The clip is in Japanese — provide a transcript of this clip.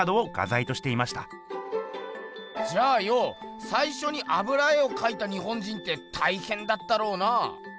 じゃあよさいしょに油絵をかいた日本人ってたいへんだったろうな。